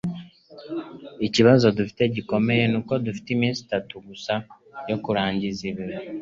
Ikibazo gikomeye dufite nuko dufite iminsi itatu gusa yo kurangiza ibi